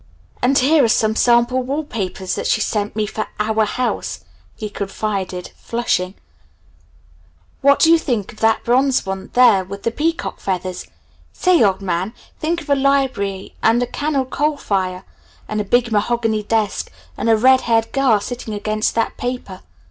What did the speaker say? "And here are some sample wall papers that she sent me for 'our house'," he confided, flushing. "What do you think of that bronze one there with the peacock feathers? say, old man, think of a library and a cannel coal fire and a big mahogany desk and a red haired girl sitting against that paper!